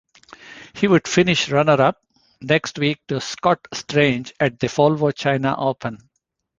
He would finish runner-up next week to Scott Strange at the Volvo China Open.